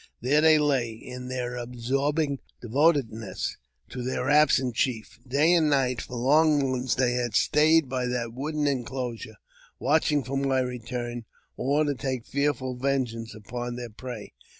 There they lay, in their absorbing devotedness to their absent chief ; day and night, for long months, they had stayed by that wooden enclosure, watching for my return, or to take fearful vengeance upon their prey.